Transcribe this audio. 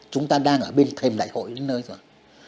chúng ta đang ở bên thềm đại hội đến nơi rồi